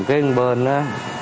cái bên đó